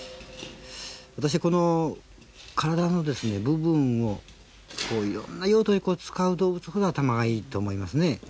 私は、この体の部分をいろんな用途で使う動物ほど頭がいいと思いますね。